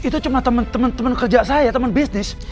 itu cuma teman teman kerja saya teman bisnis